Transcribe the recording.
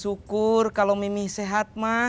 syukur kalo mimih sehat mah